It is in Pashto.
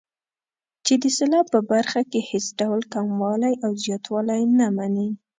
چې د سېلاب په برخه کې هېڅ ډول کموالی او زیاتوالی نه مني.